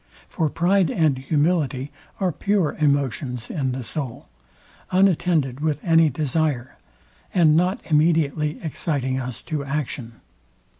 For pride and humility are pure emotions in the soul, unattended with any desire, and not immediately exciting us to action.